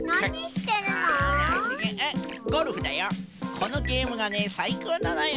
このゲームがねさいこうなのよ。